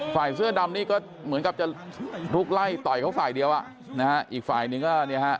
เสื้อดำนี่ก็เหมือนกับจะลุกไล่ต่อยเขาฝ่ายเดียวอ่ะนะฮะอีกฝ่ายนึงก็เนี่ยฮะ